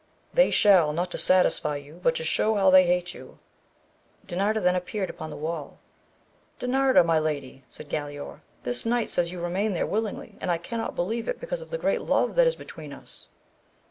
— They shall, not to satisfy you but to show how they hate you. Dinarda then appeared upon the wall. Dinarda my lady, said Galaor, this knight says you remain there willingly, and I cannot believe it because of the great love that is between us.